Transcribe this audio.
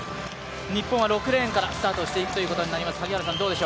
日本は６レーンからスタートしていくということになります